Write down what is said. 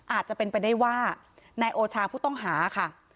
อาจจะเป็นไปได้ว่านายโอชาผู้ต้องหาค่ะ